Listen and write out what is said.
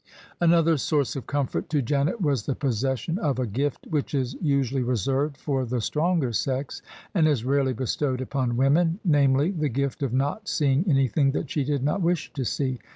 Another source of comfort to Janet was the possession of a gift which is usually reserved for the stronger sex, and is rarely bestowed upon women, namely, the gift of not seeing anything that she did not wish to see.